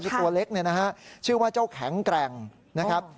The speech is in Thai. ตัวเล็กเนี่ยนะฮะชื่อว่าเจ้าแข็งแกร่งนะครับ